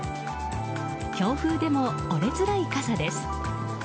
強風でも折れづらい傘です。